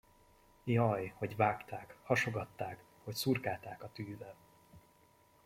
Jaj, hogy vágták, hasogatták, hogy szurkálták a tűvel!